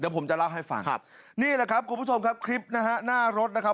ผมจะเล่าให้ฟังครับนี่แหละครับคุณผู้ชมครับคลิปนะฮะหน้ารถนะครับ